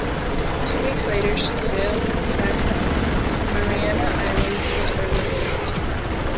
Two weeks later, she sailed to Saipan, Mariana Islands, for further orders.